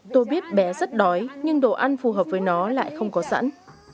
tôi biết bé rất đói nhưng đồ ăn phù hợp với nó lại không có sẵn